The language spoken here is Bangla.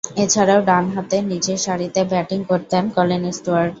এছাড়াও, ডানহাতে নিচেরসারিতে ব্যাটিং করতেন কলিন স্টুয়ার্ট।